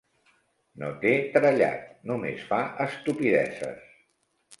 No té trellat: només fa estupideses.